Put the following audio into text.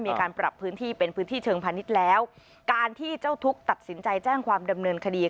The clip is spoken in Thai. มีการปรับพื้นที่เป็นพื้นที่เชิงพาณิชย์แล้วการที่เจ้าทุกข์ตัดสินใจแจ้งความดำเนินคดี